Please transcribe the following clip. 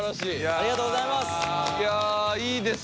ありがとうございます！